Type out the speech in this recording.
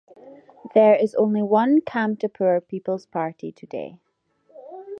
There is only one Kamtapur People's Party today.